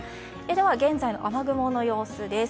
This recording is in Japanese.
現在の雨雲の様子です。